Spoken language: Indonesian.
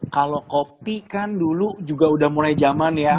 kalau kopi kan dulu juga udah mulai zaman ya